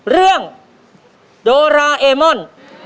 เรื่องโดราเอม่อน